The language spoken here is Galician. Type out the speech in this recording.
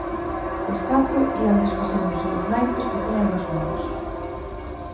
Os catro ían desfacéndose dos naipes que tiñan nas mans.